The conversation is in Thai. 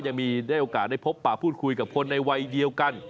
ยังมีได้โอกาสได้พบป่าพูดคุยกับคนในวัยเดียวกัน